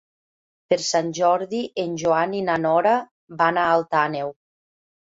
Per Sant Jordi en Joan i na Nora van a Alt Àneu.